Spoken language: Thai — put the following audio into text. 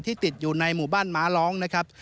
ติดอยู่ในหมู่บ้านม้าร้องนะครับ